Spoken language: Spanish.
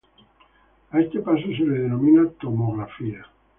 A este paso se le denomina "tomografía".